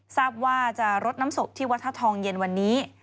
ทราบว่าจะรดน้ำศพที่วัฒนทองเย็นวันนี้